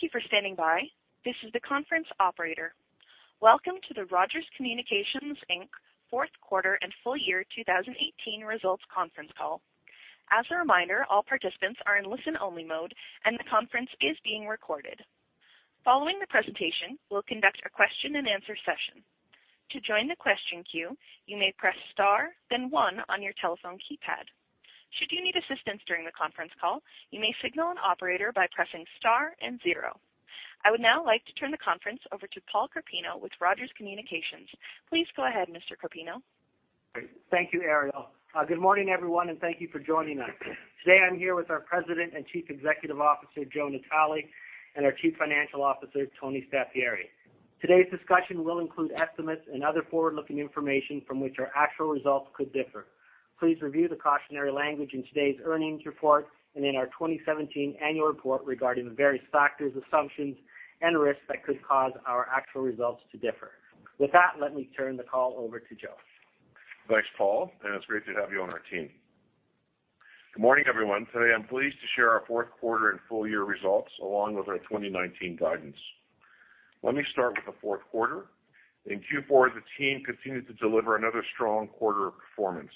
Thank you for standing by. This is the conference operator. Welcome to the Rogers Communications Inc. Fourth Quarter and Full Year 2018 Results Conference Call. As a reminder, all participants are in listen-only mode, and the conference is being recorded. Following the presentation, we'll conduct a question-and-answer session. To join the question queue, you may press star, then one on your telephone keypad. Should you need assistance during the conference call, you may signal an operator by pressing star and zero. I would now like to turn the conference over to Paul Carpino with Rogers Communications. Please go ahead, Mr. Carpino. Thank you, Ariel. Good morning, everyone, and thank you for joining us. Today, I'm here with our President and Chief Executive Officer, Joe Natale, and our Chief Financial Officer, Tony Staffieri. Today's discussion will include estimates and other forward-looking information from which our actual results could differ. Please review the cautionary language in today's earnings report and in our 2017 annual report regarding the various factors, assumptions, and risks that could cause our actual results to differ. With that, let me turn the call over to Joe. Thanks, Paul, and it's great to have you on our team. Good morning, everyone. Today, I'm pleased to share our fourth quarter and full year results along with our 2019 guidance. Let me start with the fourth quarter. In Q4, the team continued to deliver another strong quarter of performance.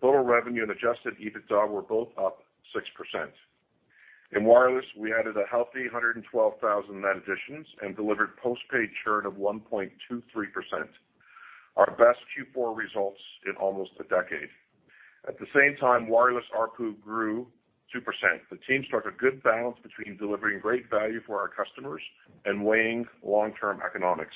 Total revenue and Adjusted EBITDA were both up 6%. In wireless, we added a healthy 112,000 net additions and delivered postpaid churn of 1.23%. Our best Q4 results in almost a decade. At the same time, wireless ARPU grew 2%. The team struck a good balance between delivering great value for our customers and weighing long-term economics.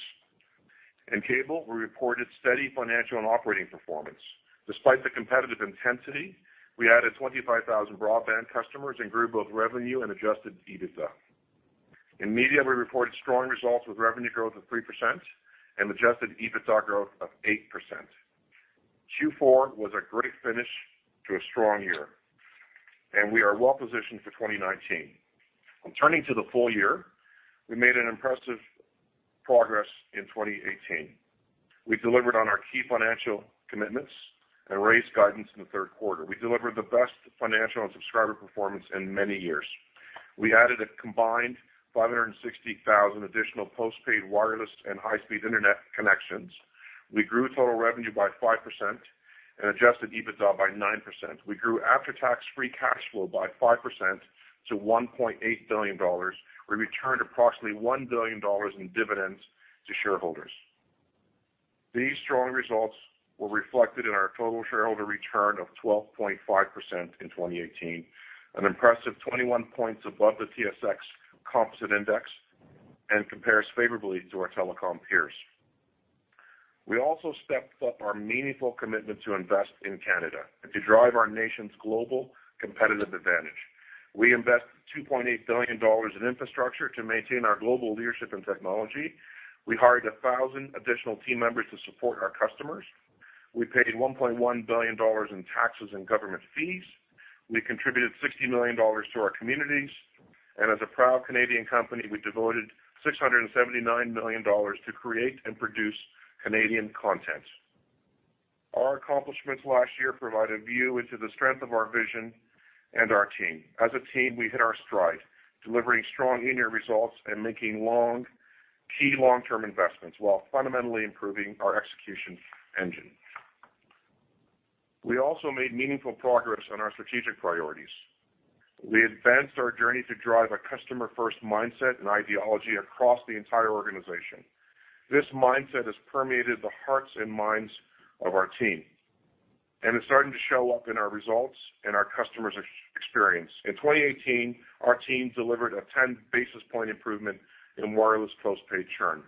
In cable, we reported steady financial and operating performance. Despite the competitive intensity, we added 25,000 broadband customers and grew both revenue and Adjusted EBITDA. In media, we reported strong results with revenue growth of 3% and Adjusted EBITDA growth of 8%. Q4 was a great finish to a strong year, and we are well-positioned for 2019. Turning to the full year, we made an impressive progress in 2018. We delivered on our key financial commitments and raised guidance in the third quarter. We delivered the best financial and subscriber performance in many years. We added a combined 560,000 additional postpaid wireless and high-speed internet connections. We grew total revenue by 5% and Adjusted EBITDA by 9%. We grew after-tax Free Cash Flow by 5% to 1.8 billion dollars. We returned approximately 1 billion dollars in dividends to shareholders. These strong results were reflected in our total shareholder return of 12.5% in 2018, an impressive 21 points above the TSX Composite Index and compares favorably to our telecom peers. We also stepped up our meaningful commitment to invest in Canada and to drive our nation's global competitive advantage. We invested 2.8 billion dollars in infrastructure to maintain our global leadership in technology. We hired 1,000 additional team members to support our customers. We paid 1.1 billion dollars in taxes and government fees. We contributed 60 million dollars to our communities, and as a proud Canadian company, we devoted 679 million dollars to create and produce Canadian content. Our accomplishments last year provided a view into the strength of our vision and our team. As a team, we hit our stride, delivering strong in-year results and making key long-term investments while fundamentally improving our execution engine. We also made meaningful progress on our strategic priorities. We advanced our journey to drive a customer-first mindset and ideology across the entire organization. This mindset has permeated the hearts and minds of our team, and it's starting to show up in our results and our customers' experience. In 2018, our team delivered a 10-basis point improvement in wireless postpaid churn.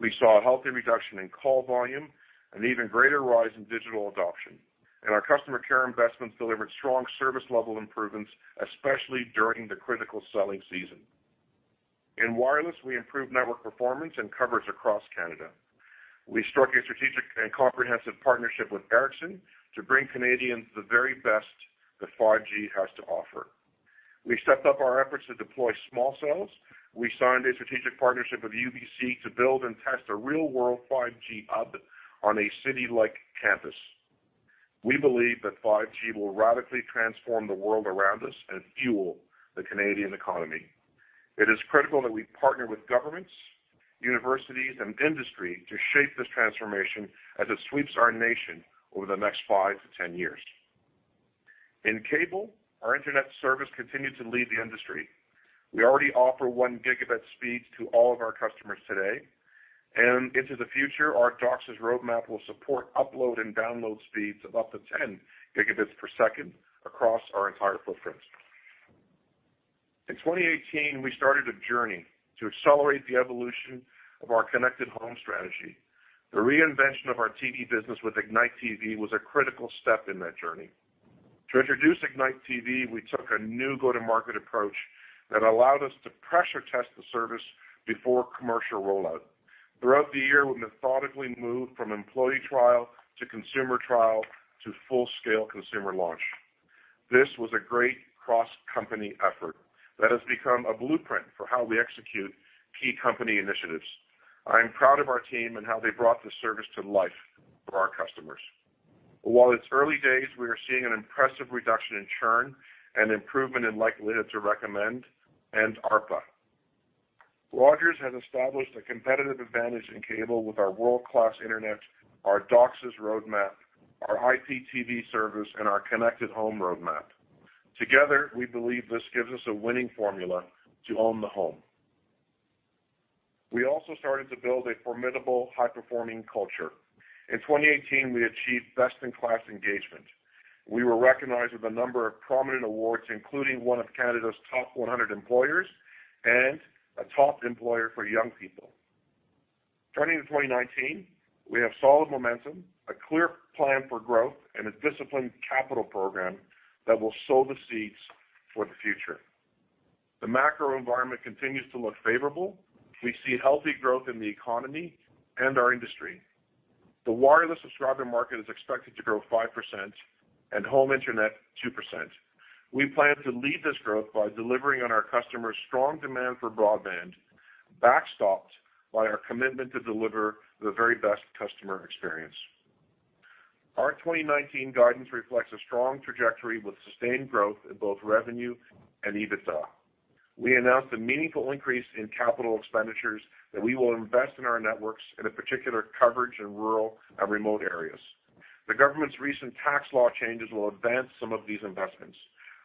We saw a healthy reduction in call volume and an even greater rise in digital adoption. And our customer care investments delivered strong service level improvements, especially during the critical selling season. In wireless, we improved network performance and coverage across Canada. We struck a strategic and comprehensive partnership with Ericsson to bring Canadians the very best that 5G has to offer. We stepped up our efforts to deploy small cells. We signed a strategic partnership with UBC to build and test a real-world 5G hub on a city-like campus. We believe that 5G will radically transform the world around us and fuel the Canadian economy. It is critical that we partner with governments, universities, and industry to shape this transformation as it sweeps our nation over the next 5 to 10 years. In cable, our internet service continued to lead the industry. We already offer one gigabit speeds to all of our customers today. And into the future, our DOCSIS roadmap will support upload and download speeds of up to 10 gigabits per second across our entire footprint. In 2018, we started a journey to accelerate the evolution of our connected home strategy. The reinvention of our TV business with Ignite TV was a critical step in that journey. To introduce Ignite TV, we took a new go-to-market approach that allowed us to pressure test the service before commercial rollout. Throughout the year, we methodically moved from employee trial to consumer trial to full-scale consumer launch. This was a great cross-company effort that has become a blueprint for how we execute key company initiatives. I am proud of our team and how they brought this service to life for our customers. While it's early days, we are seeing an impressive reduction in churn and improvement in likelihood to recommend and ARPA. Rogers has established a competitive advantage in cable with our world-class internet, our DOCSIS roadmap, our IPTV service, and our connected home roadmap. Together, we believe this gives us a winning formula to own the home. We also started to build a formidable high-performing culture. In 2018, we achieved best-in-class engagement. We were recognized with a number of prominent awards, including one of Canada's Top 100 Employers and a Top Employer for Young People. Turning to 2019, we have solid momentum, a clear plan for growth, and a disciplined capital program that will sow the seeds for the future. The macro environment continues to look favorable. We see healthy growth in the economy and our industry. The wireless subscriber market is expected to grow 5% and home internet 2%. We plan to lead this growth by delivering on our customers' strong demand for broadband, backstopped by our commitment to deliver the very best customer experience. Our 2019 guidance reflects a strong trajectory with sustained growth in both revenue and EBITDA. We announced a meaningful increase in capital expenditures that we will invest in our networks and in particular coverage in rural and remote areas. The government's recent tax law changes will advance some of these investments.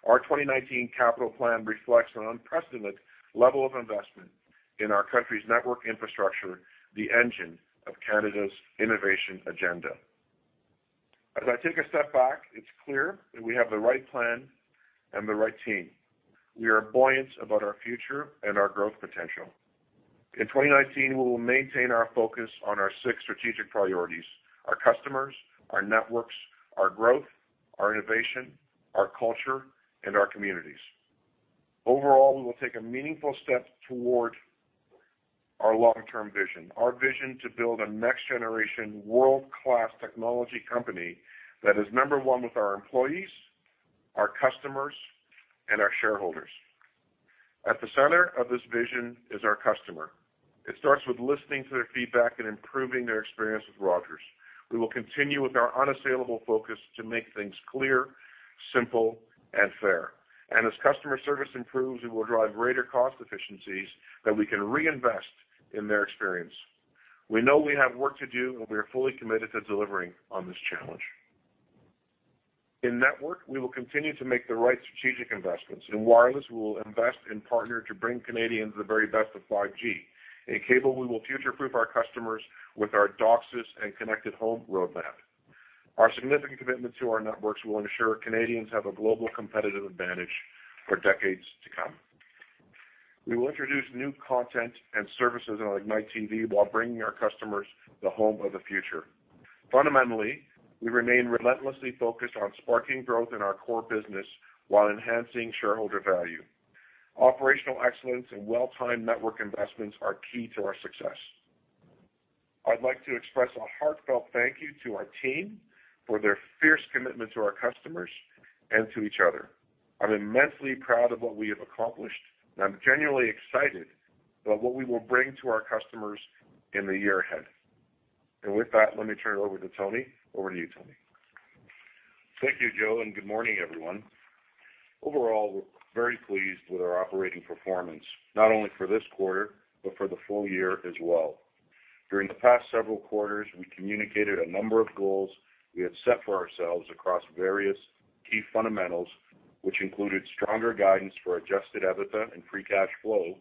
Our 2019 capital plan reflects an unprecedented level of investment in our country's network infrastructure, the engine of Canada's innovation agenda. As I take a step back, it's clear that we have the right plan and the right team. We are buoyant about our future and our growth potential. In 2019, we will maintain our focus on our six strategic priorities: our customers, our networks, our growth, our innovation, our culture, and our communities. Overall, we will take a meaningful step toward our long-term vision, our vision to build a next-generation world-class technology company that is number one with our employees, our customers, and our shareholders. At the center of this vision is our customer. It starts with listening to their feedback and improving their experience with Rogers. We will continue with our unassailable focus to make things clear, simple, and fair, and as customer service improves, it will drive greater cost efficiencies that we can reinvest in their experience. We know we have work to do, and we are fully committed to delivering on this challenge. In networks, we will continue to make the right strategic investments. In wireless, we will invest and partner to bring Canadians the very best of 5G. In cable, we will future-proof our customers with our DOCSIS and connected home roadmap. Our significant commitment to our networks will ensure Canadians have a global competitive advantage for decades to come. We will introduce new content and services on Ignite TV while bringing our customers the home of the future. Fundamentally, we remain relentlessly focused on sparking growth in our core business while enhancing shareholder value. Operational excellence and well-timed network investments are key to our success. I'd like to express a heartfelt thank you to our team for their fierce commitment to our customers and to each other. I'm immensely proud of what we have accomplished, and I'm genuinely excited about what we will bring to our customers in the year ahead. And with that, let me turn it over to Tony. Over to you, Tony. Thank you, Joe, and good morning, everyone. Overall, we're very pleased with our operating performance, not only for this quarter but for the full year as well. During the past several quarters, we communicated a number of goals we had set for ourselves across various key fundamentals, which included stronger guidance for Adjusted EBITDA and Free Cash Flow,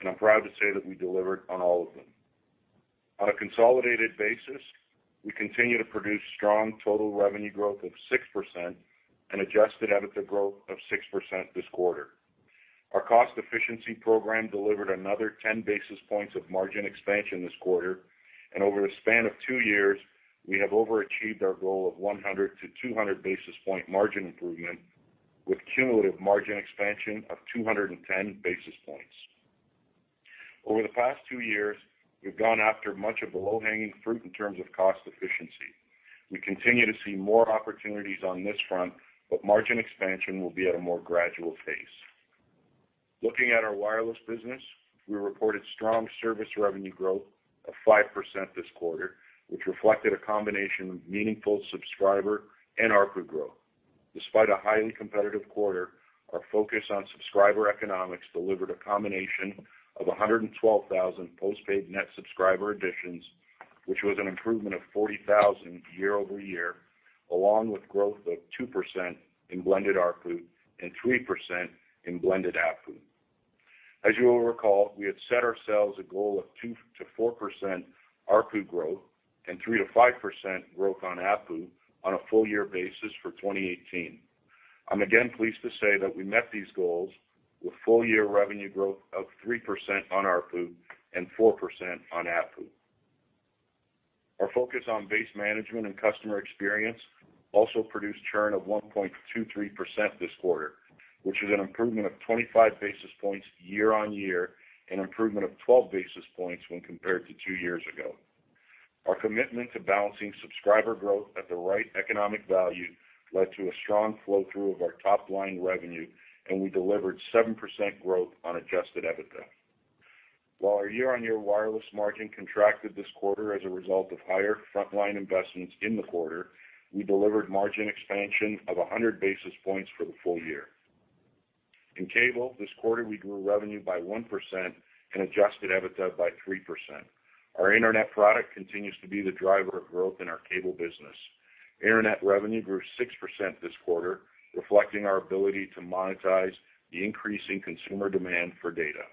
and I'm proud to say that we delivered on all of them. On a consolidated basis, we continue to produce strong total revenue growth of 6% and Adjusted EBITDA growth of 6% this quarter. Our cost efficiency program delivered another 10 basis points of margin expansion this quarter, and over the span of two years, we have overachieved our goal of 100 to 200 basis point margin improvement with cumulative margin expansion of 210 basis points. Over the past two years, we've gone after much of the low-hanging fruit in terms of cost efficiency. We continue to see more opportunities on this front, but margin expansion will be at a more gradual pace. Looking at our wireless business, we reported strong service revenue growth of 5% this quarter, which reflected a combination of meaningful subscriber and ARPU growth. Despite a highly competitive quarter, our focus on subscriber economics delivered a combination of 112,000 post-paid net subscriber additions, which was an improvement of 40,000 year over year, along with growth of 2% in blended ARPU and 3% in blended ABPU. As you will recall, we had set ourselves a goal of 2%-4% ARPU growth and 3%-5% growth on ABPU on a full-year basis for 2018. I'm again pleased to say that we met these goals with full-year revenue growth of 3% on ARPU and 4% on ABPU. Our focus on base management and customer experience also produced churn of 1.23% this quarter, which is an improvement of 25 basis points year on year and an improvement of 12 basis points when compared to two years ago. Our commitment to balancing subscriber growth at the right economic value led to a strong flow-through of our top-line revenue, and we delivered 7% growth on adjusted EBITDA. While our year-on-year wireless margin contracted this quarter as a result of higher front-line investments in the quarter, we delivered margin expansion of 100 basis points for the full year. In cable, this quarter, we grew revenue by 1% and adjusted EBITDA by 3%. Our internet product continues to be the driver of growth in our cable business. Internet revenue grew 6% this quarter, reflecting our ability to monetize the increase in consumer demand for data.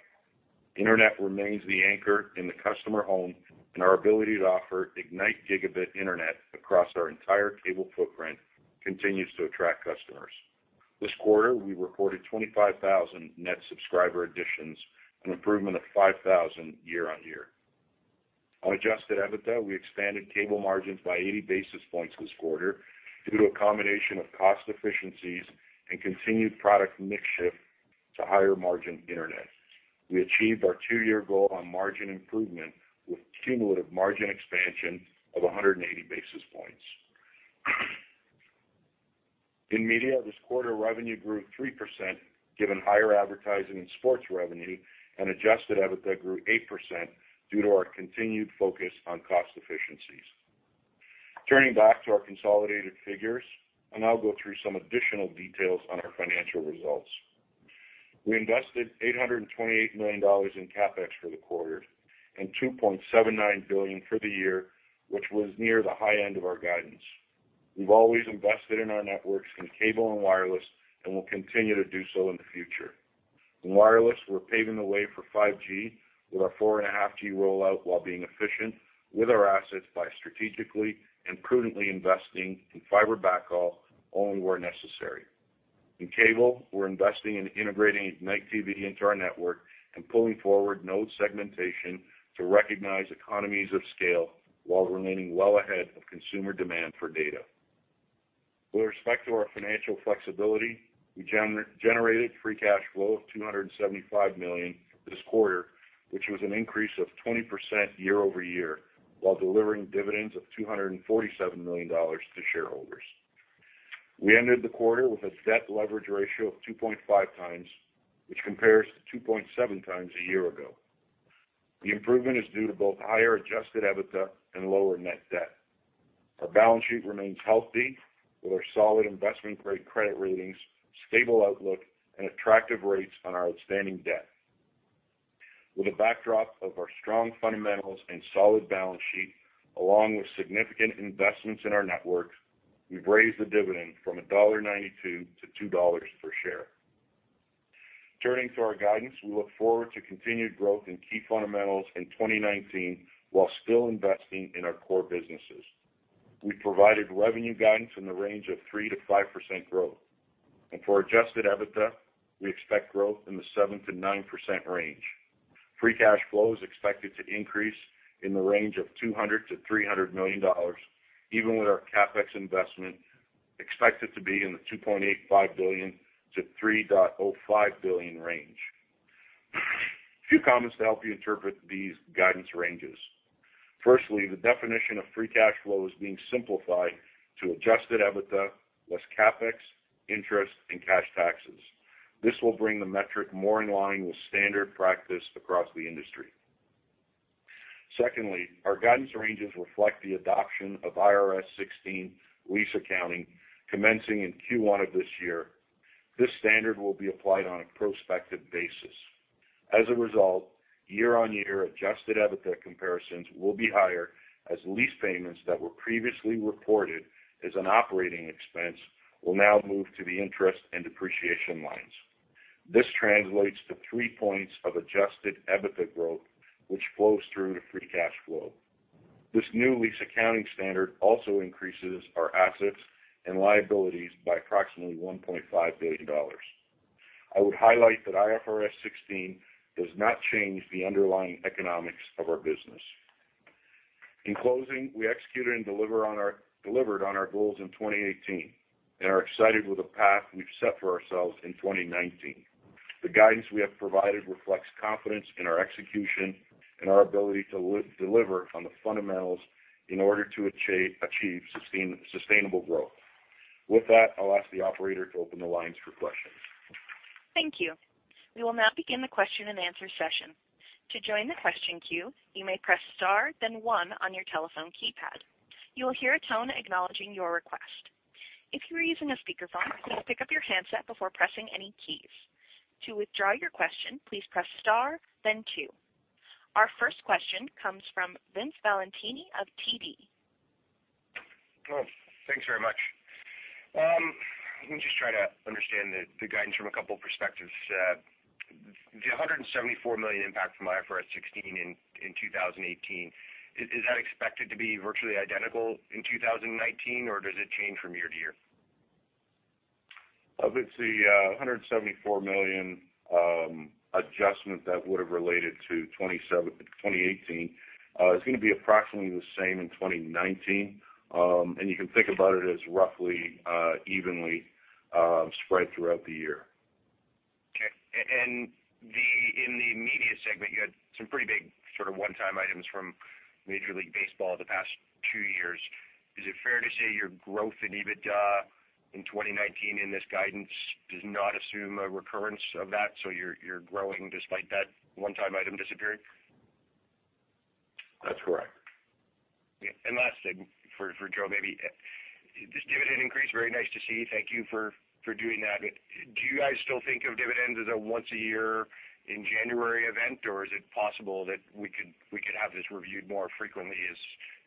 Internet remains the anchor in the customer home, and our ability to offer Ignite Gigabit Internet across our entire cable footprint continues to attract customers. This quarter, we recorded 25,000 net subscriber additions, an improvement of 5,000 year on year. On Adjusted EBITDA, we expanded cable margins by 80 basis points this quarter due to a combination of cost efficiencies and continued product mix shift to higher margin internet. We achieved our two-year goal on margin improvement with cumulative margin expansion of 180 basis points. In media, this quarter, revenue grew 3% given higher advertising and sports revenue, and Adjusted EBITDA grew 8% due to our continued focus on cost efficiencies. Turning back to our consolidated figures, I'll now go through some additional details on our financial results. We invested 828 million dollars in CapEx for the quarter and 2.79 billion for the year, which was near the high end of our guidance. We've always invested in our networks in cable and wireless and will continue to do so in the future. In wireless, we're paving the way for 5G with our 4.5G rollout while being efficient with our assets by strategically and prudently investing in fiber backhaul only where necessary. In cable, we're investing in integrating Ignite TV into our network and pulling forward node segmentation to recognize economies of scale while remaining well ahead of consumer demand for data. With respect to our financial flexibility, we generated free cash flow of 275 million this quarter, which was an increase of 20% year over year while delivering dividends of 247 million dollars to shareholders. We ended the quarter with a debt leverage ratio of 2.5 times, which compares to 2.7 times a year ago. The improvement is due to both higher Adjusted EBITDA and lower net debt. Our balance sheet remains healthy with our solid investment-grade credit ratings, stable outlook, and attractive rates on our outstanding debt. With the backdrop of our strong fundamentals and solid balance sheet, along with significant investments in our network, we've raised the dividend from dollar 1.92 to 2 dollars per share. Turning to our guidance, we look forward to continued growth in key fundamentals in 2019 while still investing in our core businesses. We've provided revenue guidance in the range of 3%-5% growth. For Adjusted EBITDA, we expect growth in the 7%-9% range. Free cash flow is expected to increase in the range of 200-300 million dollars, even with our CapEx investment expected to be in the 2.85-3.05 billion range. A few comments to help you interpret these guidance ranges. Firstly, the definition of free cash flow is being simplified to adjusted EBITDA less CapEx, interest, and cash taxes. This will bring the metric more in line with standard practice across the industry. Secondly, our guidance ranges reflect the adoption of IFRS 16 lease accounting commencing in Q1 of this year. This standard will be applied on a prospective basis. As a result, year-on-year adjusted EBITDA comparisons will be higher as lease payments that were previously reported as an operating expense will now move to the interest and depreciation lines. This translates to three points of adjusted EBITDA growth, which flows through to free cash flow. This new lease accounting standard also increases our assets and liabilities by approximately 1.5 billion dollars. I would highlight that IFRS 16 does not change the underlying economics of our business. In closing, we executed and delivered on our goals in 2018 and are excited with the path we've set for ourselves in 2019. The guidance we have provided reflects confidence in our execution and our ability to deliver on the fundamentals in order to achieve sustainable growth. With that, I'll ask the operator to open the lines for questions. Thank you. We will now begin the question and answer session. To join the question queue, you may press star, then one on your telephone keypad. You will hear a tone acknowledging your request. If you are using a speakerphone, please pick up your handset before pressing any keys. To withdraw your question, please press star, then two. Our first question comes from Vince Valentini of TD. Thanks very much. Let me just try to understand the guidance from a couple of perspectives. The 174 million impact from IFRS 16 in 2018, is that expected to be virtually identical in 2019, or does it change from year to year? I think the 174 million adjustment that would have related to 2018 is going to be approximately the same in 2019, and you can think about it as roughly evenly spread throughout the year. Okay. And in the media segment, you had some pretty big sort of one-time items from Major League Baseball the past two years. Is it fair to say your growth in EBITDA in 2019 in this guidance does not assume a recurrence of that? So you're growing despite that one-time item disappearing? That's correct. Last thing for Joe, maybe this dividend increase. Very nice to see. Thank you for doing that. Do you guys still think of dividends as a once-a-year in January event, or is it possible that we could have this reviewed more frequently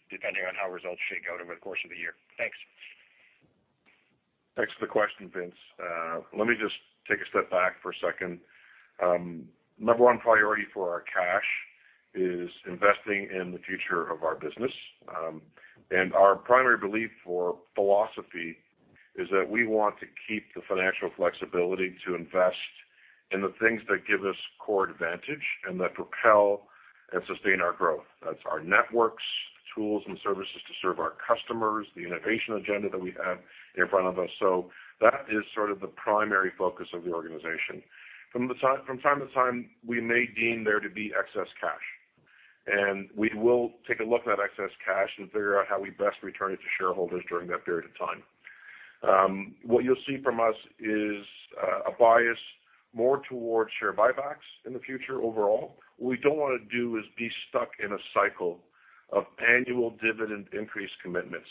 depending on how results shake out over the course of the year? Thanks. Thanks for the question, Vince. Let me just take a step back for a second. Number one priority for our cash is investing in the future of our business, and our primary belief or philosophy is that we want to keep the financial flexibility to invest in the things that give us core advantage and that propel and sustain our growth. That's our networks, tools, and services to serve our customers, the innovation agenda that we have in front of us, so that is sort of the primary focus of the organization. From time to time, we may deem there to be excess cash, and we will take a look at that excess cash and figure out how we best return it to shareholders during that period of time. What you'll see from us is a bias more towards share buybacks in the future overall. What we don't want to do is be stuck in a cycle of annual dividend increase commitments.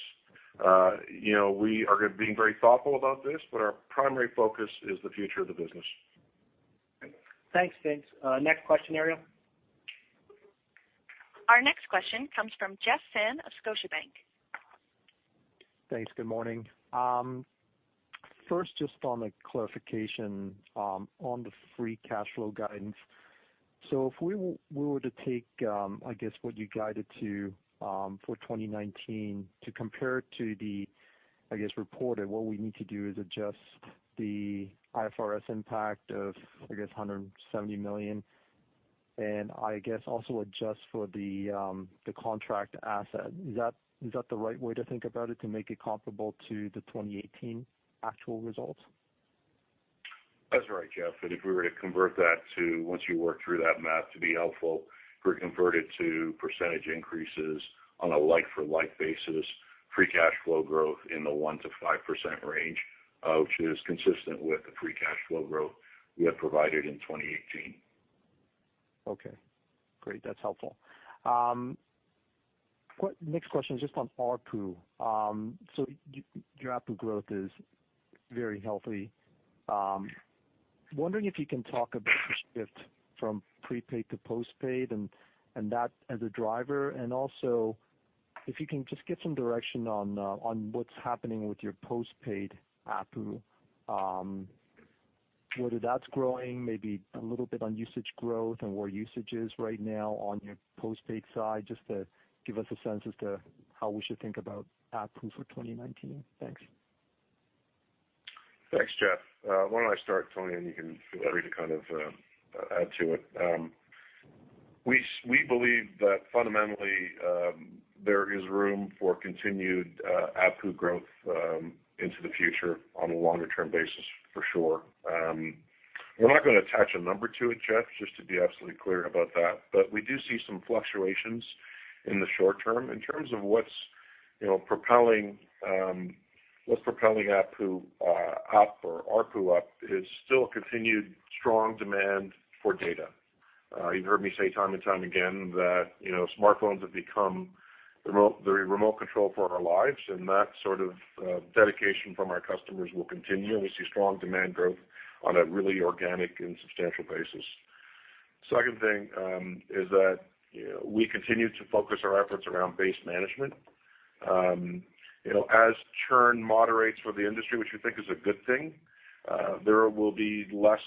We are being very thoughtful about this, but our primary focus is the future of the business. Thanks, Vince. Next question, Ariel. Our next question comes from Jeff Fan of Scotiabank. Thanks. Good morning. First, just on a clarification on the free cash flow guidance. So if we were to take, I guess, what you guided to for 2019 to compare it to the, I guess, reported, what we need to do is adjust the IFRS impact of, I guess, 170 million, and I guess also adjust for the contract asset. Is that the right way to think about it to make it comparable to the 2018 actual results? That's right, Jeff. And if we were to convert that to, once you work through that math, to be helpful, we're converted to percentage increases on a like-for-like basis, Free Cash Flow growth in the 1%-5% range, which is consistent with the Free Cash Flow growth we have provided in 2018. Okay. Great. That's helpful. Next question is just on ARPU. So your ARPU growth is very healthy. Wondering if you can talk about the shift from prepaid to postpaid and that as a driver. And also, if you can just get some direction on what's happening with your postpaid ARPU, whether that's growing, maybe a little bit on usage growth and where usage is right now on your postpaid side, just to give us a sense as to how we should think about ARPU for 2019. Thanks. Thanks, Jeff. Why don't I start, Tony, and you can feel free to kind of add to it. We believe that fundamentally there is room for continued ARPU growth into the future on a longer-term basis, for sure. We're not going to attach a number to it, Jeff, just to be absolutely clear about that. But we do see some fluctuations in the short term. In terms of what's propelling ARPU up is still continued strong demand for data. You've heard me say time and time again that smartphones have become the remote control for our lives, and that sort of dedication from our customers will continue. We see strong demand growth on a really organic and substantial basis. Second thing is that we continue to focus our efforts around base management. As churn moderates for the industry, which we think is a good thing, there will be less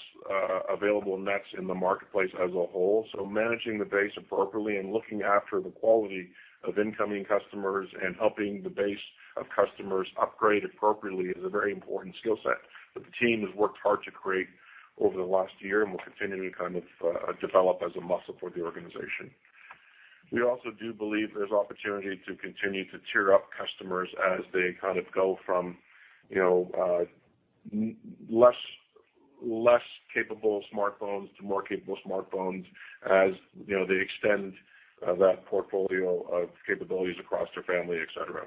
available nets in the marketplace as a whole. So managing the base appropriately and looking after the quality of incoming customers and helping the base of customers upgrade appropriately is a very important skill set that the team has worked hard to create over the last year and will continue to kind of develop as a muscle for the organization. We also do believe there's opportunity to continue to tier up customers as they kind of go from less capable smartphones to more capable smartphones as they extend that portfolio of capabilities across their family, etc.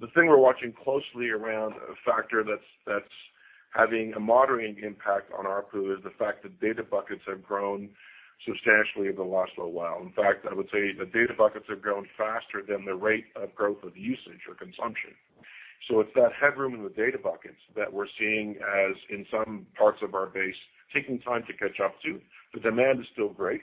The thing we're watching closely around a factor that's having a moderating impact on ARPU is the fact that data buckets have grown substantially over the last little while. In fact, I would say the data buckets have grown faster than the rate of growth of usage or consumption. So it's that headroom in the data buckets that we're seeing as in some parts of our base taking time to catch up to. The demand is still great,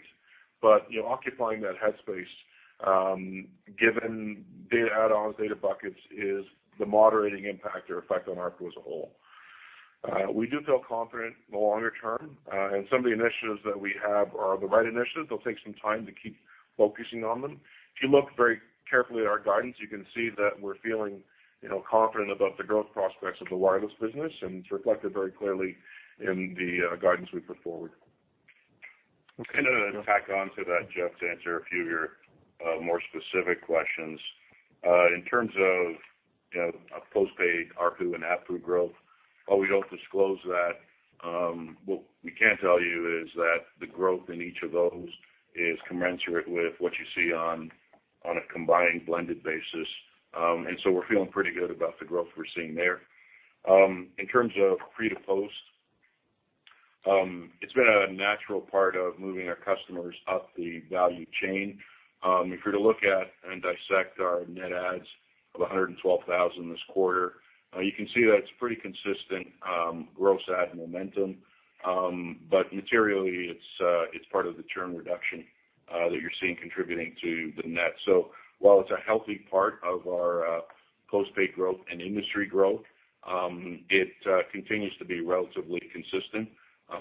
but occupying that headroom given data add-ons, data buckets is the moderating impact or effect on ARPU as a whole. We do feel confident in the longer term, and some of the initiatives that we have are the right initiatives. They'll take some time to keep focusing on them. If you look very carefully at our guidance, you can see that we're feeling confident about the growth prospects of the wireless business, and it's reflected very clearly in the guidance we put forward. Kind of to tack on to that, Jeff, to answer a few of your more specific questions. In terms of postpaid, ARPU, and ARPU growth, while we don't disclose that, what we can tell you is that the growth in each of those is commensurate with what you see on a combined blended basis, and so we're feeling pretty good about the growth we're seeing there. In terms of pre to post, it's been a natural part of moving our customers up the value chain. If you were to look at and dissect our net adds of 112,000 this quarter, you can see that it's pretty consistent gross add momentum, but materially, it's part of the churn reduction that you're seeing contributing to the net. So while it's a healthy part of our postpaid growth and industry growth, it continues to be relatively consistent,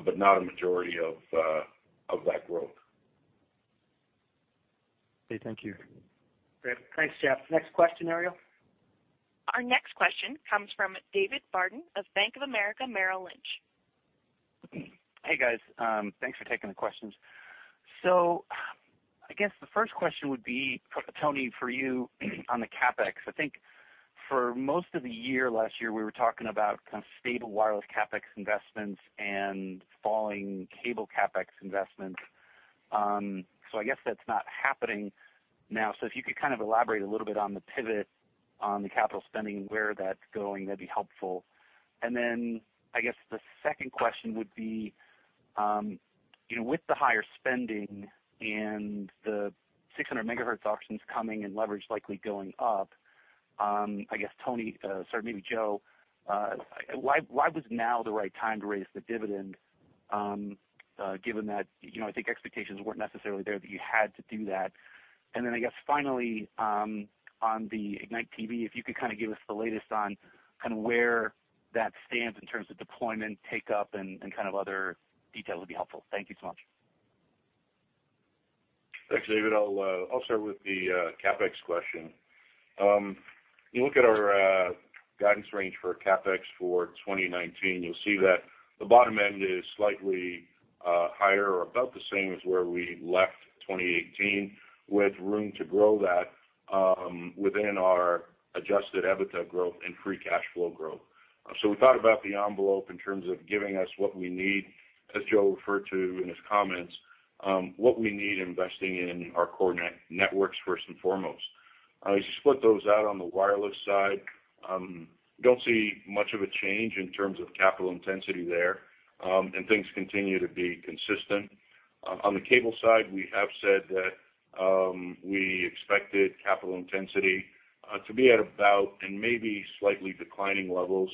but not a majority of that growth. Okay. Thank you. Great. Thanks, Jeff. Next question, Ariel. Our next question comes from David Barden of Bank of America Merrill Lynch. Hey, guys. Thanks for taking the questions. So I guess the first question would be, Tony, for you on the CapEx. I think for most of the year last year, we were talking about kind of stable wireless CapEx investments and falling cable CapEx investments. So I guess that's not happening now. So if you could kind of elaborate a little bit on the pivot on the capital spending and where that's going, that'd be helpful. And then I guess the second question would be, with the higher spending and the 600 megahertz auctions coming and leverage likely going up, I guess, Tony or maybe Joe, why was now the right time to raise the dividend given that I think expectations weren't necessarily there that you had to do that? And then I guess finally, on the Ignite TV, if you could kind of give us the latest on kind of where that stands in terms of deployment, take up, and kind of other details would be helpful. Thank you so much. Thanks, David. I'll start with the CapEx question. You look at our guidance range for CapEx for 2019, you'll see that the bottom end is slightly higher or about the same as where we left 2018, with room to grow that within our Adjusted EBITDA growth and free cash flow growth. So we thought about the envelope in terms of giving us what we need, as Joe referred to in his comments, what we need investing in our core networks first and foremost. As you split those out on the wireless side, don't see much of a change in terms of capital intensity there, and things continue to be consistent. On the cable side, we have said that we expected capital intensity to be at about and maybe slightly declining levels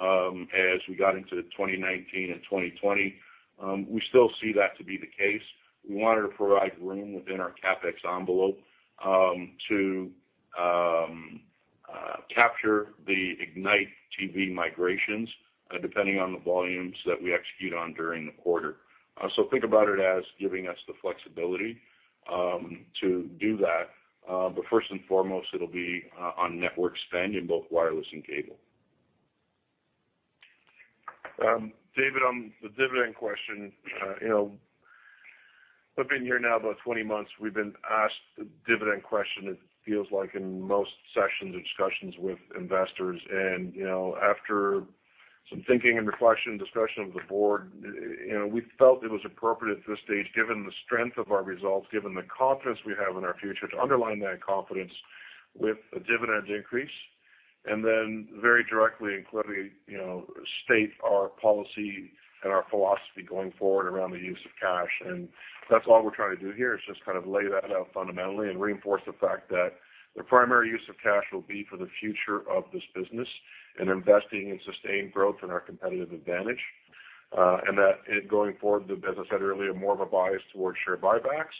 as we got into 2019 and 2020. We still see that to be the case. We wanted to provide room within our CapEx envelope to capture the Ignite TV migrations depending on the volumes that we execute on during the quarter. So think about it as giving us the flexibility to do that. But first and foremost, it'll be on network spend in both wireless and cable. David, on the dividend question, we've been here now about 20 months. We've been asked the dividend question, it feels like, in most sessions or discussions with investors. And after some thinking and reflection and discussion of the board, we felt it was appropriate at this stage, given the strength of our results, given the confidence we have in our future, to underline that confidence with a dividend increase and then very directly and clearly state our policy and our philosophy going forward around the use of cash. And that's all we're trying to do here, is just kind of lay that out fundamentally and reinforce the fact that the primary use of cash will be for the future of this business and investing in sustained growth and our competitive advantage. And that going forward, as I said earlier, more of a bias towards share buybacks.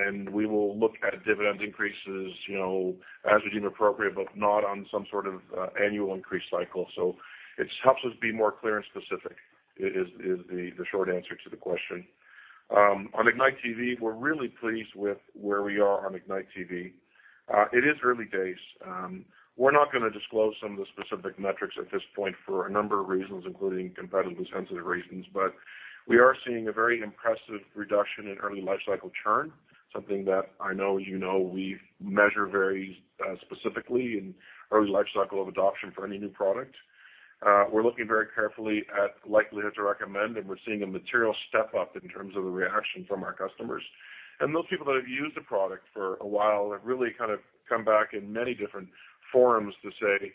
And we will look at dividend increases as we deem appropriate, but not on some sort of annual increase cycle. So it helps us be more clear and specific is the short answer to the question. On Ignite TV, we're really pleased with where we are on Ignite TV. It is early days. We're not going to disclose some of the specific metrics at this point for a number of reasons, including competitively sensitive reasons. But we are seeing a very impressive reduction in early life cycle churn, something that I know, as you know, we measure very specifically in early life cycle of adoption for any new product. We're looking very carefully at likelihood to recommend, and we're seeing a material step up in terms of the reaction from our customers. And those people that have used the product for a while have really kind of come back in many different forums to say,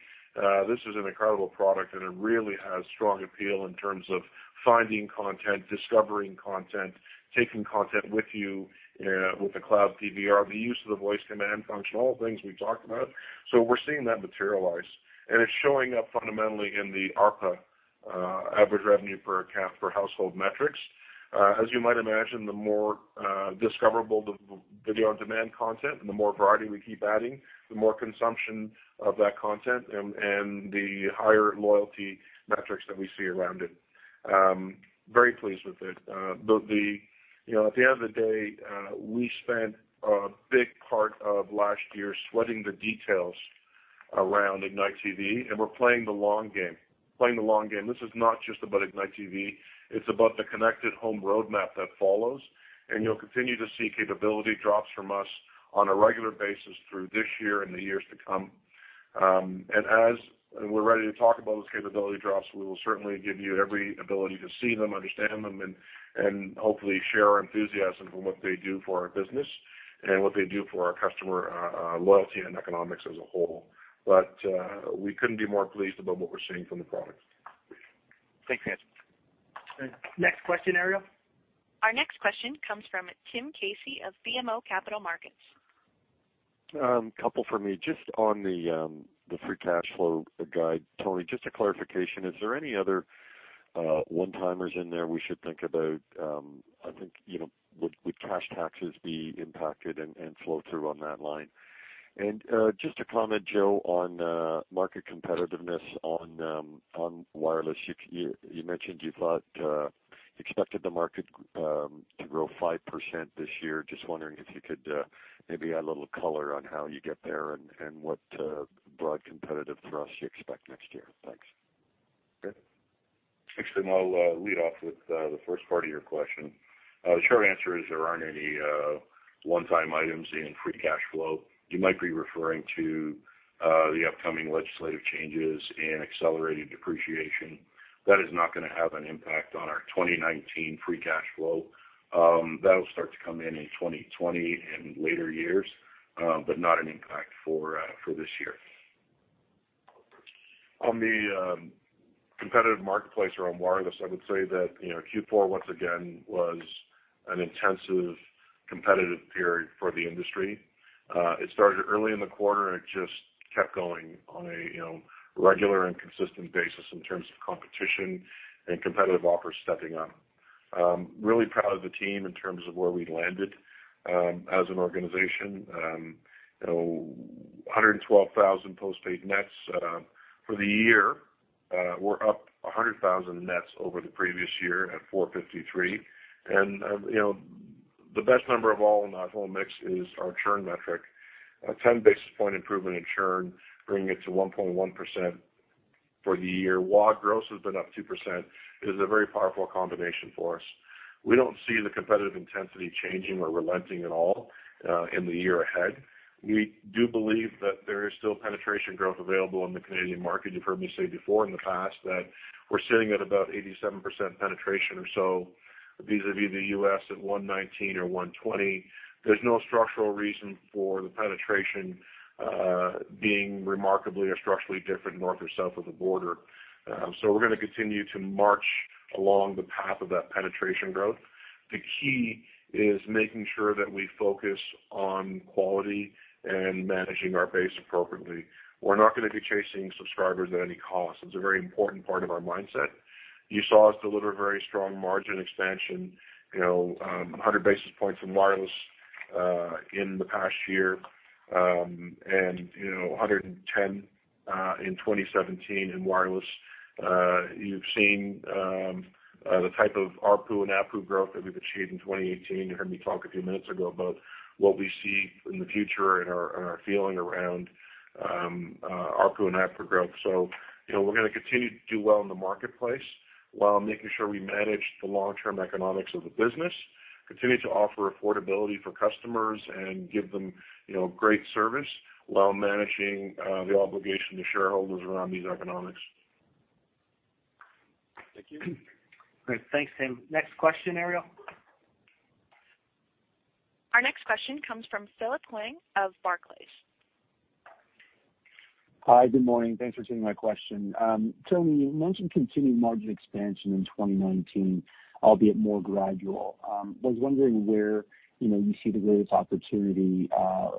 "This is an incredible product, and it really has strong appeal in terms of finding content, discovering content, taking content with you with the Cloud PVR, the use of the voice command function, all the things we've talked about." So we're seeing that materialize. And it's showing up fundamentally in the ARPA average revenue per capita per household metrics. As you might imagine, the more discoverable the video on demand content and the more variety we keep adding, the more consumption of that content and the higher loyalty metrics that we see around it. Very pleased with it. At the end of the day, we spent a big part of last year sweating the details around Ignite TV, and we're playing the long game. Playing the long game. This is not just about Ignite TV. It's about the connected home roadmap that follows, and you'll continue to see capability drops from us on a regular basis through this year and the years to come. And as we're ready to talk about those capability drops, we will certainly give you every ability to see them, understand them, and hopefully share our enthusiasm from what they do for our business and what they do for our customer loyalty and economics as a whole. But we couldn't be more pleased about what we're seeing from the product. Thanks, guys. Next question, Ariel. Our next question comes from Tim Casey of BMO Capital Markets. couple for me. Just on the Free Cash Flow guide, Tony, just a clarification. Is there any other one-timers in there we should think about? I think would cash taxes be impacted and flow through on that line? And just a comment, Joe, on market competitiveness on wireless. You mentioned you thought you expected the market to grow 5% this year. Just wondering if you could maybe add a little color on how you get there and what broad competitive thrust you expect next year. Thanks. Okay. Actually, I'll lead off with the first part of your question. The short answer is there aren't any one-time items in free cash flow. You might be referring to the upcoming legislative changes in accelerated depreciation. That is not going to have an impact on our 2019 free cash flow. That'll start to come in in 2020 and later years, but not an impact for this year. On the competitive marketplace around wireless, I would say that Q4, once again, was an intensive competitive period for the industry. It started early in the quarter, and it just kept going on a regular and consistent basis in terms of competition and competitive offers stepping up. Really proud of the team in terms of where we landed as an organization. 112,000 postpaid nets for the year. We're up 100,000 nets over the previous year at 453. And the best number of all in our whole mix is our churn metric. A 10 basis point improvement in churn, bringing it to 1.1% for the year. While gross has been up 2%, it is a very powerful combination for us. We don't see the competitive intensity changing or relenting at all in the year ahead. We do believe that there is still penetration growth available in the Canadian market. You've heard me say before in the past that we're sitting at about 87% penetration or so vis-à-vis the U.S. at 119 or 120. There's no structural reason for the penetration being remarkably or structurally different north or south of the border. So we're going to continue to march along the path of that penetration growth. The key is making sure that we focus on quality and managing our base appropriately. We're not going to be chasing subscribers at any cost. It's a very important part of our mindset. You saw us deliver very strong margin expansion, 100 basis points in wireless in the past year and 110 in 2017 in wireless. You've seen the type of ARPU and APU growth that we've achieved in 2018. You heard me talk a few minutes ago about what we see in the future and our feeling around ARPU and APU growth, so we're going to continue to do well in the marketplace while making sure we manage the long-term economics of the business, continue to offer affordability for customers, and give them great service while managing the obligation to shareholders around these economics. Thank you. Great. Thanks, Tim. Next question, Ariel. Our next question comes from Phillip Huang of Barclays. Hi. Good morning. Thanks for taking my question. Tony, you mentioned continued margin expansion in 2019, albeit more gradual. I was wondering where you see the greatest opportunity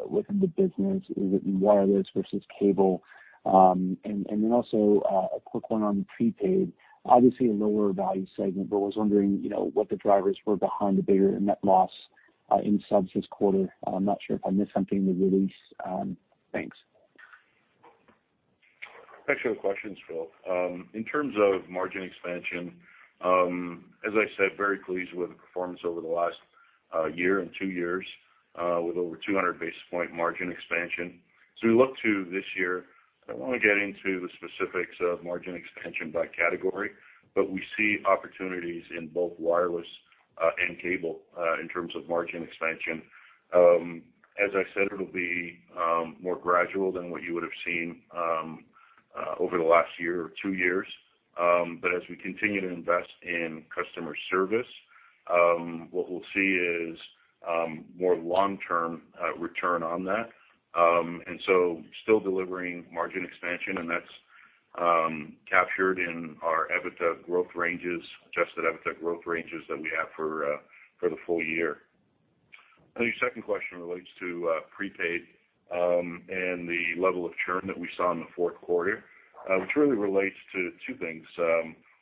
within the business. Is it in wireless versus cable? And then also a quick one on prepaid. Obviously, a lower value segment, but was wondering what the drivers were behind the bigger net loss in subs this quarter. I'm not sure if I missed something with release. Thanks. Excellent questions, Phil. In terms of margin expansion, as I said, very pleased with the performance over the last year and two years with over 200 basis points margin expansion, so we look to this year. I don't want to get into the specifics of margin expansion by category, but we see opportunities in both wireless and cable in terms of margin expansion. As I said, it'll be more gradual than what you would have seen over the last year or two years, but as we continue to invest in customer service, what we'll see is more long-term return on that, and so still delivering margin expansion, and that's captured in our EBITDA growth ranges, adjusted EBITDA growth ranges that we have for the full year. And your second question relates to prepaid and the level of churn that we saw in the fourth quarter, which really relates to two things.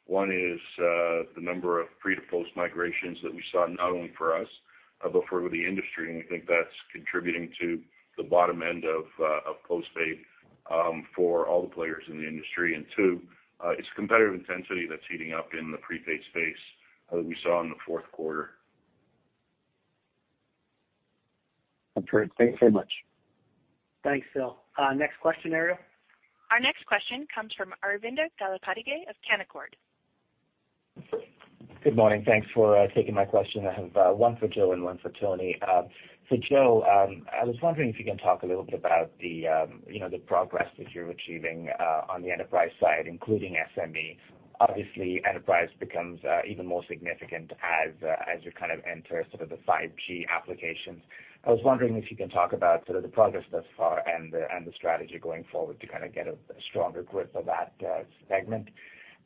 One is the number of pre to post migrations that we saw not only for us, but for the industry. And we think that's contributing to the bottom end of postpaid for all the players in the industry. And two, it's competitive intensity that's heating up in the prepaid space that we saw in the fourth quarter. That's right. Thanks very much. Thanks, Phil. Next question, Ariel. Our next question comes from Aravinda Galappatthige of Canaccord. Good morning. Thanks for taking my question. I have one for Joe and one for Tony. So Joe, I was wondering if you can talk a little bit about the progress that you're achieving on the enterprise side, including SME. Obviously, enterprise becomes even more significant as you kind of enter sort of the 5G applications. I was wondering if you can talk about sort of the progress thus far and the strategy going forward to kind of get a stronger grip of that segment.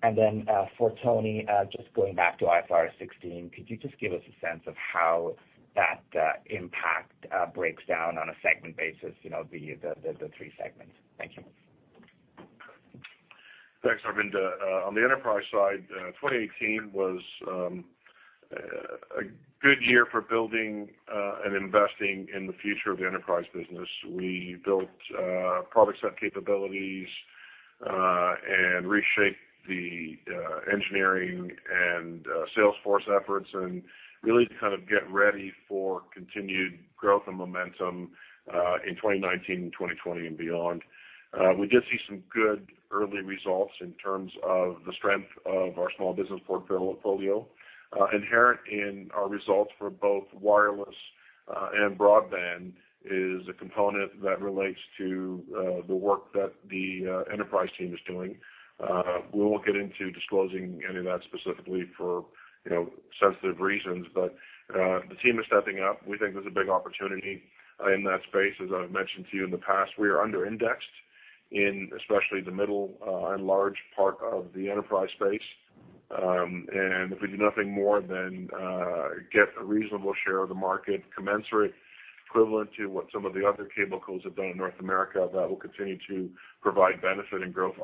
And then for Tony, just going back to IFRS 16, could you just give us a sense of how that impact breaks down on a segment basis, the three segments? Thank you. Thanks, Aravinda. On the enterprise side, 2018 was a good year for building and investing in the future of the enterprise business. We built product set capabilities and reshaped the engineering and sales force efforts and really kind of get ready for continued growth and momentum in 2019, 2020, and beyond. We did see some good early results in terms of the strength of our small business portfolio. Inherent in our results for both wireless and broadband is a component that relates to the work that the enterprise team is doing. We won't get into disclosing any of that specifically for sensitive reasons, but the team is stepping up. We think there's a big opportunity in that space. As I've mentioned to you in the past, we are under-indexed in especially the middle and large part of the enterprise space. And if we do nothing more than get a reasonable share of the market, commensurate, equivalent to what some of the other cable cos have done in North America, that will continue to provide benefit and growth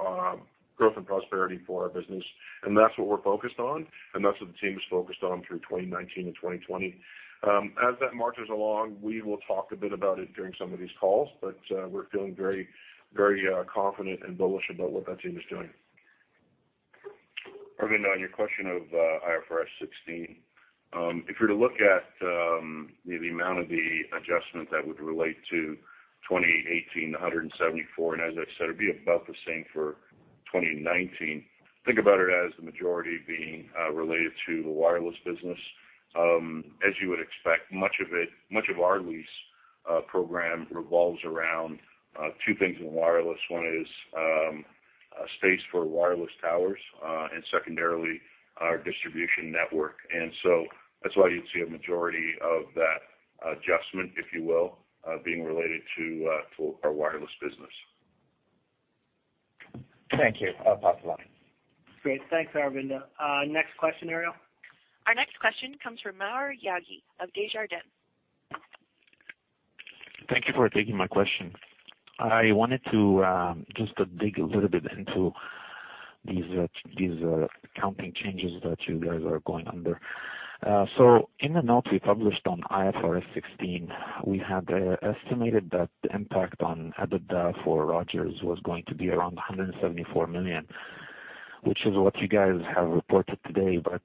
and prosperity for our business. And that's what we're focused on, and that's what the team is focused on through 2019 and 2020. As that marches along, we will talk a bit about it during some of these calls, but we're feeling very, very confident and bullish about what that team is doing. Aravinda, on your question of IFRS 16, if you were to look at the amount of the adjustment that would relate to 2018, the 174, and as I said, it would be about the same for 2019. Think about it as the majority being related to the wireless business. As you would expect, much of our lease program revolves around two things in wireless. One is space for wireless towers and secondarily our distribution network. And so that's why you'd see a majority of that adjustment, if you will, being related to our wireless business. Thank you, Aravinda. Great. Thanks, Aravinda. Next question, Ariel. Our next question comes from Maher Yaghi of Desjardins. Thank you for taking my question. I wanted to just dig a little bit into these accounting changes that you guys are going under. So in the notes we published on IFRS 16, we had estimated that the impact on EBITDA for Rogers was going to be around 174 million, which is what you guys have reported today. But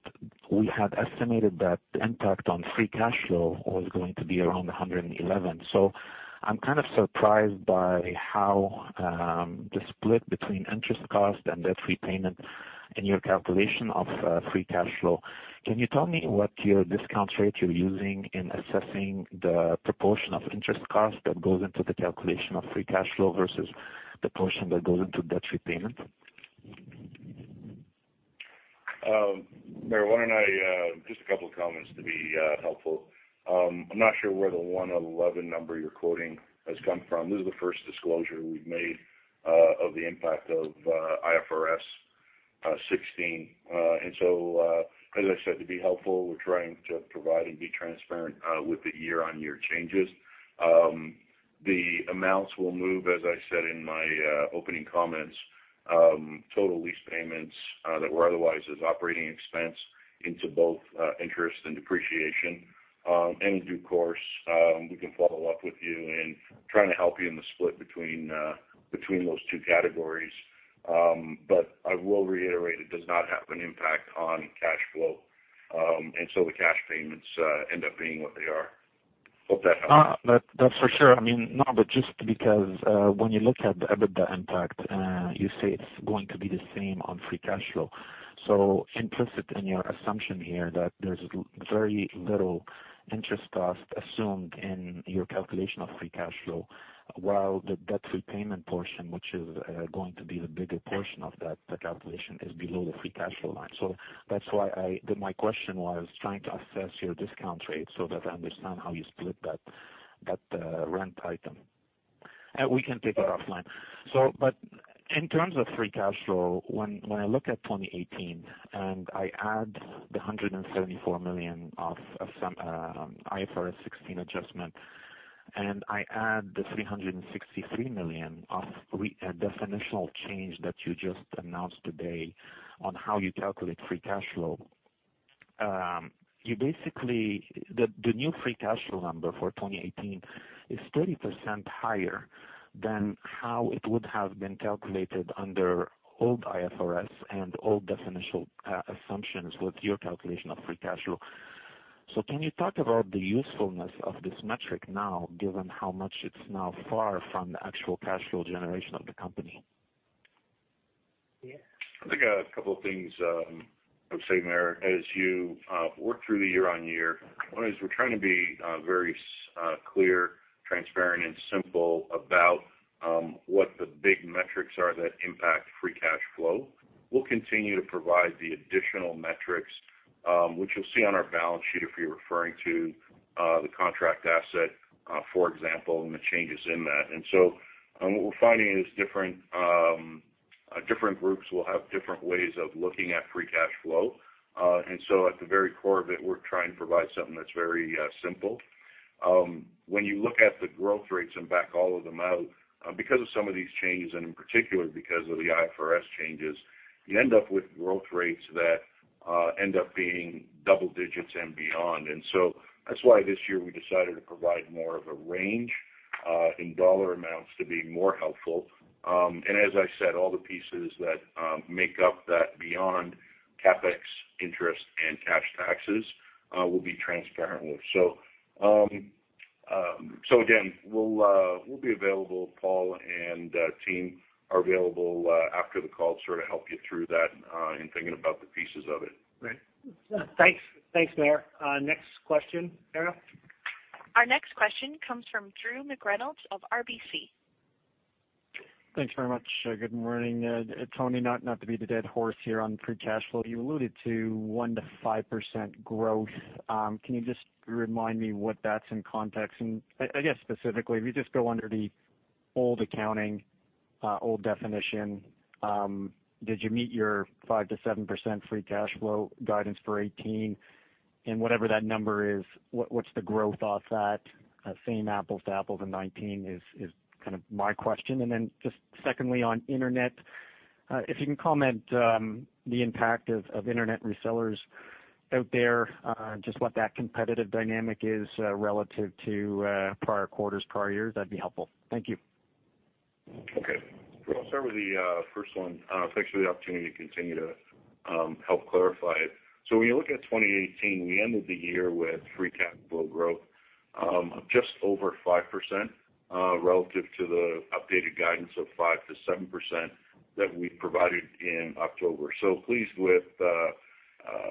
we had estimated that the impact on free cash flow was going to be around 111 million. So I'm kind of surprised by how the split between interest cost and debt repayment in your calculation of free cash flow. Can you tell me what your discount rate you're using in assessing the proportion of interest cost that goes into the calculation of free cash flow versus the portion that goes into debt repayment? Maher, why don't I just make a couple of comments to be helpful. I'm not sure where the 111 number you're quoting has come from. This is the first disclosure we've made of the impact of IFRS 16. And so, as I said, to be helpful, we're trying to provide and be transparent with the year-on-year changes. The amounts will move, as I said in my opening comments, total lease payments that were otherwise as operating expense into both interest and depreciation. And in due course, we can follow up with you in trying to help you in the split between those two categories. But I will reiterate, it does not have an impact on cash flow. And so the cash payments end up being what they are. Hope that helps. That's for sure. I mean, no, but just because when you look at the EBITDA impact, you say it's going to be the same on free cash flow. So implicit in your assumption here that there's very little interest cost assumed in your calculation of free cash flow while the debt repayment portion, which is going to be the bigger portion of that calculation, is below the free cash flow line. So that's why my question was trying to assess your discount rate so that I understand how you split that rent item. We can take it offline. But in terms of free cash flow, when I look at 2018 and I add the 174 million of IFRS 16 adjustment and I add the 363 million of definitional change that you just announced today on how you calculate free cash flow, the new free cash flow number for 2018 is 30% higher than how it would have been calculated under old IFRS and old definitional assumptions with your calculation of free cash flow. So can you talk about the usefulness of this metric now, given how far it's now from the actual cash flow generation of the company? I think a couple of things I would say, Maher, as you work through the year-on-year. One is we're trying to be very clear, transparent, and simple about what the big metrics are that impact free cash flow. We'll continue to provide the additional metrics, which you'll see on our balance sheet if you're referring to the contract asset, for example, and the changes in that, and so what we're finding is different groups will have different ways of looking at free cash flow, and so at the very core of it, we're trying to provide something that's very simple. When you look at the growth rates and back all of them out, because of some of these changes and in particular because of the IFRS changes, you end up with growth rates that end up being double digits and beyond. And so that's why this year we decided to provide more of a range in dollar amounts to be more helpful. And as I said, all the pieces that make up that beyond CapEx, interest, and cash taxes will be transparent with. So again, we'll be available. Paul and team are available after the call to sort of help you through that and thinking about the pieces of it. Great. Thanks, Maher. Next question, Ariel? Our next question comes from Drew McReynolds of RBC. Thanks very much. Good morning. Tony, not to beat a dead horse here on free cash flow, you alluded to 1%-5% growth. Can you just remind me what that's in context? And I guess specifically, if you just go under the old accounting, old definition, did you meet your 5%-7% free cash flow guidance for 2018? And whatever that number is, what's the growth off that? Same apples to apples in 2019 is kind of my question. And then just secondly, on internet, if you can comment the impact of internet resellers out there, just what that competitive dynamic is relative to prior quarters, prior years, that'd be helpful. Thank you. Okay. I'll start with the first one. Thanks for the opportunity to continue to help clarify it. So when you look at 2018, we ended the year with Free Cash Flow growth of just over 5% relative to the updated guidance of 5%-7% that we provided in October. So pleased with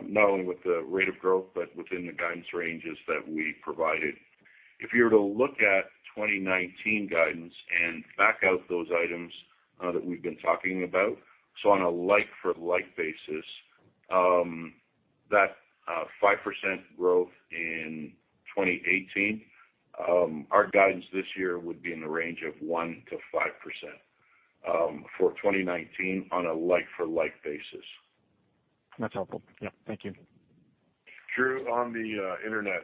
not only the rate of growth, but within the guidance ranges that we provided. If you were to look at 2019 guidance and back out those items that we've been talking about, so on a like-for-like basis, that 5% growth in 2018, our guidance this year would be in the range of 1%-5% for 2019 on a like-for-like basis. That's helpful. Yeah. Thank you. Drew, on the internet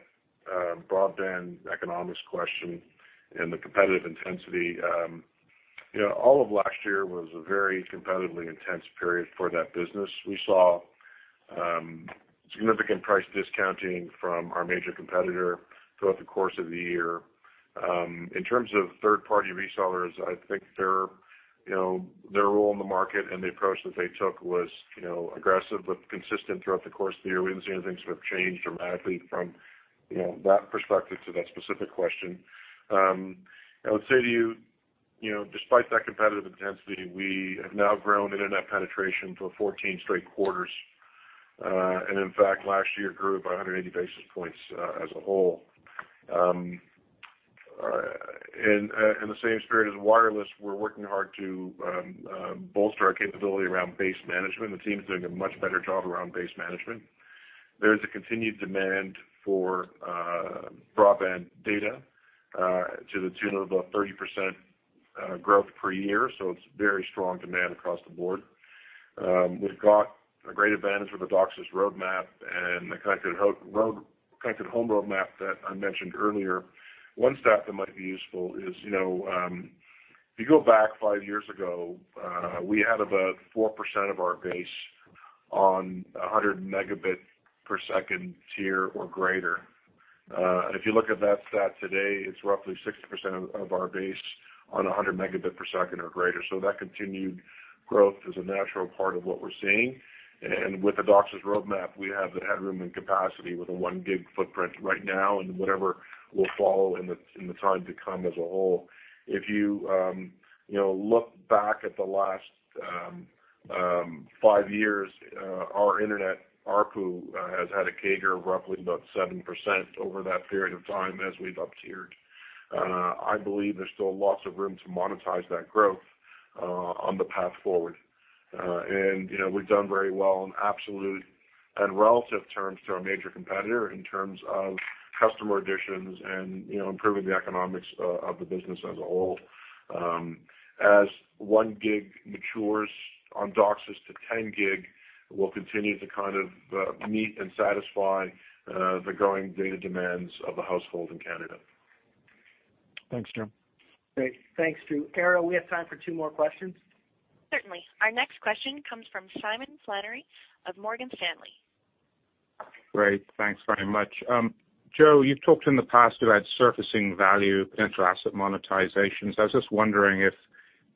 broadband economics question and the competitive intensity, all of last year was a very competitively intense period for that business. We saw significant price discounting from our major competitor throughout the course of the year. In terms of third-party resellers, I think their role in the market and the approach that they took was aggressive but consistent throughout the course of the year. We didn't see anything sort of change dramatically from that perspective to that specific question. I would say to you, despite that competitive intensity, we have now grown internet penetration for 14 straight quarters. And in fact, last year grew by 180 basis points as a whole. And in the same spirit as wireless, we're working hard to bolster our capability around base management. The team's doing a much better job around base management. There is a continued demand for broadband data to the tune of about 30% growth per year. So it's very strong demand across the board. We've got a great advantage with the DOCSIS roadmap and the Connected Home roadmap that I mentioned earlier. One stat that might be useful is if you go back five years ago, we had about 4% of our base on 100 megabit per second tier or greater. If you look at that stat today, it's roughly 60% of our base on 100 megabit per second or greater. So that continued growth is a natural part of what we're seeing, and with the DOCSIS roadmap, we have the headroom and capacity with a 1-gig footprint right now and whatever will follow in the time to come as a whole. If you look back at the last five years, our internet, our pool has had a CAGR of roughly about 7% over that period of time as we've uptiered. I believe there's still lots of room to monetize that growth on the path forward. And we've done very well in absolute and relative terms to our major competitor in terms of customer additions and improving the economics of the business as a whole. As 1-gig matures on DOCSIS to 10-gig, we'll continue to kind of meet and satisfy the growing data demands of the household in Canada. Thanks, Drew. Great. Thanks, Drew. Ariel, we have time for two more questions. Certainly. Our next question comes from Simon Flannery of Morgan Stanley. Great. Thanks very much. Joe, you've talked in the past about surfacing value, potential asset monetizations. I was just wondering if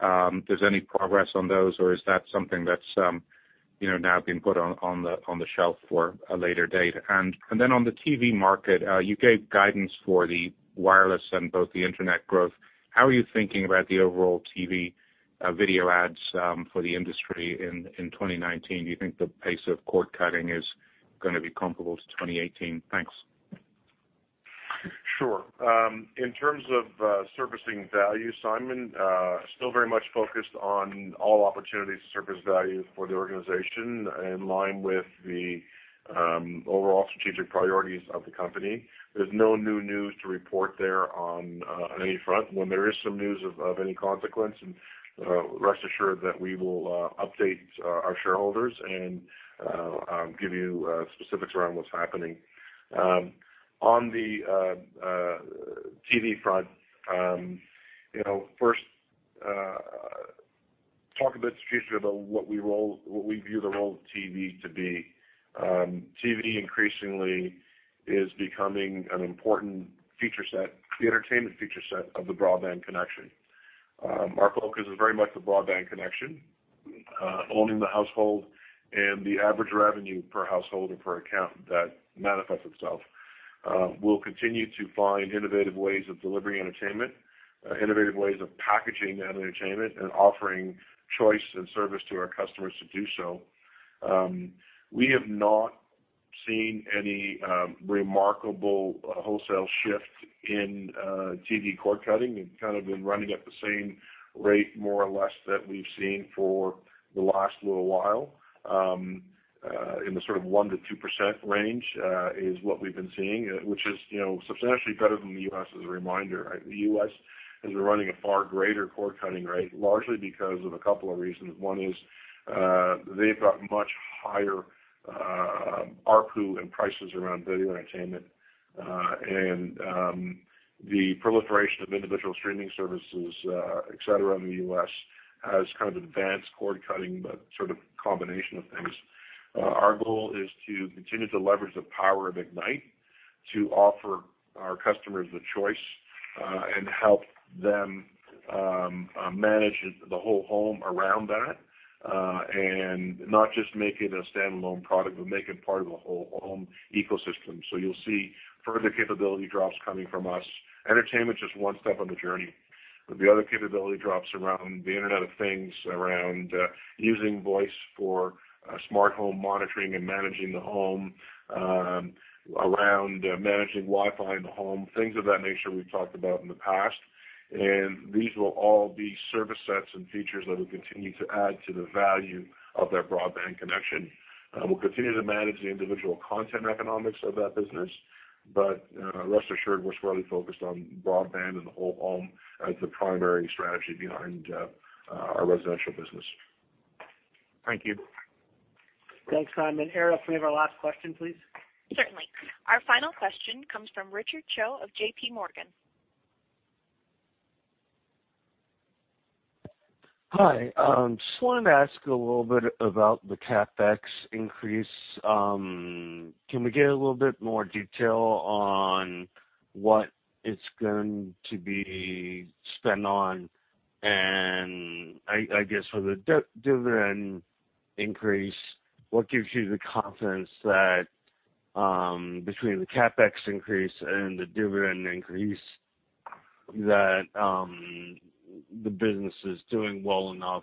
there's any progress on those or is that something that's now being put on the shelf for a later date. And then on the TV market, you gave guidance for the wireless and both the internet growth. How are you thinking about the overall TV video ads for the industry in 2019? Do you think the pace of cord cutting is going to be comparable to 2018? Thanks. Sure. In terms of surfacing value, Simon is still very much focused on all opportunities to surface value for the organization in line with the overall strategic priorities of the company. There's no new news to report there on any front. When there is some news of any consequence, rest assured that we will update our shareholders and give you specifics around what's happening. On the TV front, first, talk a bit strategically about what we view the role of TV to be. TV increasingly is becoming an important feature set, the entertainment feature set of the broadband connection. Our focus is very much the broadband connection, owning the household, and the average revenue per household or per account that manifests itself. We'll continue to find innovative ways of delivering entertainment, innovative ways of packaging that entertainment, and offering choice and service to our customers to do so. We have not seen any remarkable wholesale shift in TV cord cutting. It's kind of been running at the same rate, more or less, that we've seen for the last little while in the sort of 1%-2% range is what we've been seeing, which is substantially better than the U.S. as a reminder. The U.S. has been running a far greater cord cutting rate, largely because of a couple of reasons. One is they've got much higher ARPU and prices around video entertainment. And the proliferation of individual streaming services, etc., in the U.S. has kind of advanced cord cutting, but sort of combination of things. Our goal is to continue to leverage the power of Ignite to offer our customers the choice and help them manage the whole home around that and not just make it a standalone product, but make it part of the whole home ecosystem. So you'll see further capability drops coming from us. Entertainment is just one step on the journey. The other capability drops around the Internet of Things, around using voice for Smart Home Monitoring and managing the home, around managing Wi-Fi in the home, things of that nature we've talked about in the past. And these will all be service sets and features that will continue to add to the value of that broadband connection. We'll continue to manage the individual content economics of that business. But rest assured, we're squarely focused on broadband and the whole home as the primary strategy behind our residential business. Thank you. Thanks, Simon. Ariel, can we have our last question, please? Certainly. Our final question comes from Richard Choe of J.P. Morgan. Hi. Just wanted to ask a little bit about the CapEx increase. Can we get a little bit more detail on what it's going to be spent on? And I guess for the dividend increase, what gives you the confidence that between the CapEx increase and the dividend increase that the business is doing well enough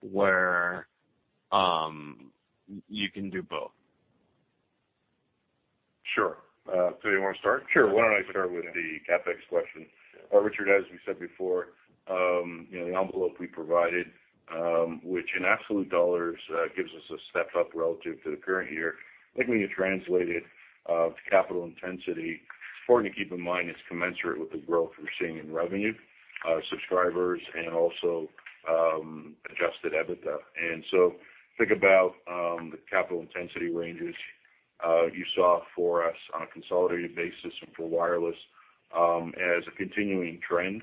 where you can do both? Sure. So do you want to start? Sure. Why don't I start with the CapEx question? Richard, as we said before, the envelope we provided, which in absolute dollars gives us a step up relative to the current year. I think when you translate it to capital intensity, it's important to keep in mind it's commensurate with the growth we're seeing in revenue, subscribers, and also Adjusted EBITDA, and so think about the capital intensity ranges you saw for us on a consolidated basis and for wireless as a continuing trend,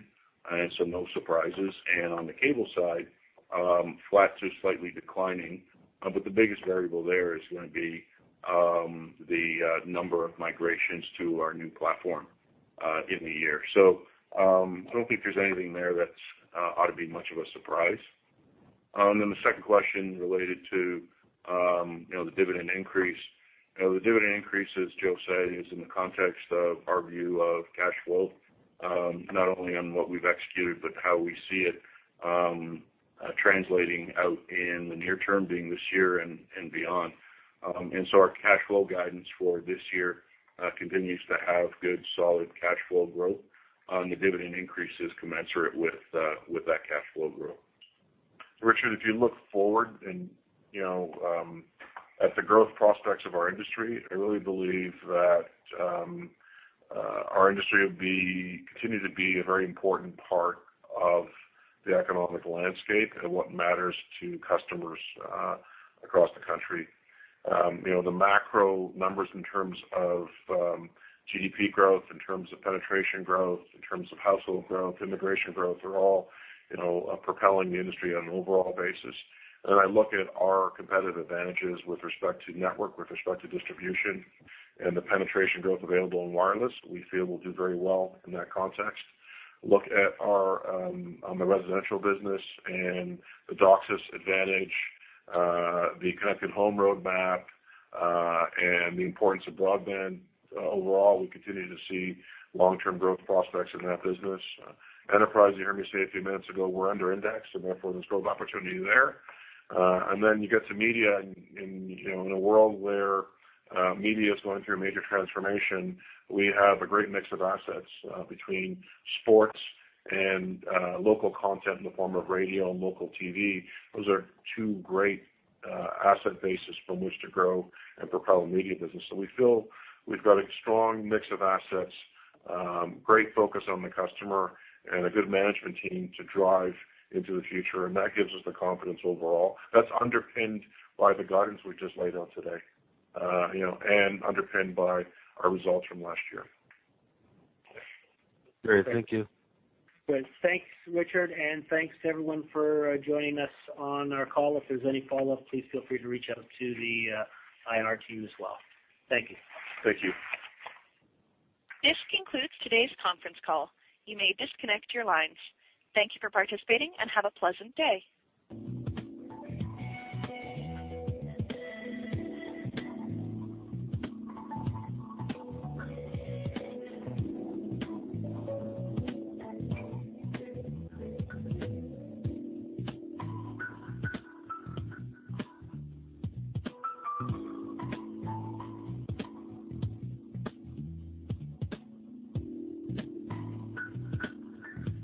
and so no surprises, and on the cable side, flat to slightly declining, but the biggest variable there is going to be the number of migrations to our new platform in the year, so I don't think there's anything there that ought to be much of a surprise, and then the second question related to the dividend increase. The dividend increases, Joe said, is in the context of our view of cash flow, not only on what we've executed, but how we see it translating out in the near term, being this year and beyond. And so our cash flow guidance for this year continues to have good solid cash flow growth. The dividend increase is commensurate with that cash flow growth. Richard, if you look forward and at the growth prospects of our industry, I really believe that our industry will continue to be a very important part of the economic landscape and what matters to customers across the country. The macro numbers in terms of GDP growth, in terms of penetration growth, in terms of household growth, immigration growth, are all propelling the industry on an overall basis, and I look at our competitive advantages with respect to network, with respect to distribution, and the penetration growth available in wireless. We feel we'll do very well in that context. Look at our residential business and the DOCSIS advantage, the Connected Home roadmap, and the importance of broadband. Overall, we continue to see long-term growth prospects in that business. Enterprise, you heard me say a few minutes ago, we're underindexed, and therefore there's growth opportunity there. And then you get to media. In a world where media is going through a major transformation, we have a great mix of assets between sports and local content in the form of radio and local TV. Those are two great asset bases from which to grow and propel a media business. So we feel we've got a strong mix of assets, great focus on the customer, and a good management team to drive into the future. And that gives us the confidence overall. That's underpinned by the guidance we've just laid out today and underpinned by our results from last year. Great. Thank you. Great. Thanks, Richard. And thanks to everyone for joining us on our call. If there's any follow-up, please feel free to reach out to the IR team as well. Thank you. Thank you. This concludes today's conference call. You may disconnect your lines. Thank you for participating and have a pleasant day.